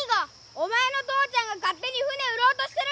お前の父ちゃんが勝手に船売ろうとしてるって。